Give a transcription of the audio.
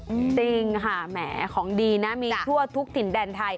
จริงค่ะแหมของดีนะมีทั่วทุกถิ่นแดนไทย